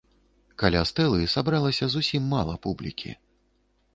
Каля стэлы сабралася зусім мала публікі.